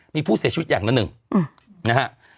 มีผู้เสียชีวิตอย่างละหนึ่งนะฮะ